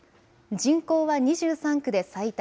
人口は２３区で最多。